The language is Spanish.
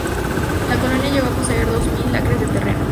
La colonia llegó a poseer dos mil acres de terreno.